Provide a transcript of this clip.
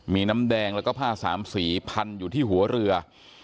มีน้ำแดงแล้วก็ผ้าสามสีพันอยู่ที่หัวเรือ